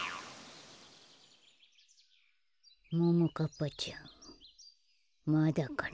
ももかっぱちゃんまだかな。